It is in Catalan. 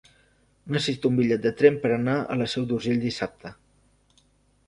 Necessito un bitllet de tren per anar a la Seu d'Urgell dissabte.